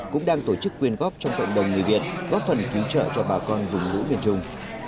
cũng đang tổ chức quyên góp trong cộng đồng người việt góp phần cứu trợ cho bà con vùng lũ miền trung